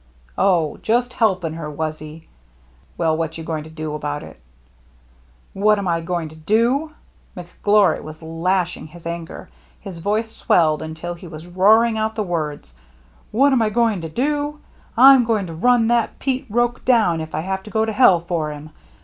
" Oh, just helping her, was he ?"" Well, what you going to do about it ?"" What'm I going to do ?" McGlory was lashing his anger. His voice swelled until he was roaring out the words :" What'm I going to do? Fm going to run that Pete Roche down if I have to go to hell for him